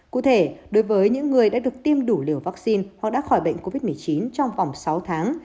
cụ thể đối với những người đã được tiêm đủ liều vaccine hoặc đã khỏi bệnh covid một mươi chín trong vòng sáu tháng